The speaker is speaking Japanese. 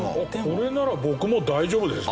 これなら僕も大丈夫ですね。